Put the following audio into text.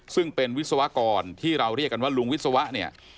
ซึ่งเป็นวิศวกรที่เราเรียกกันว่าลุงวิศวะเนี่ย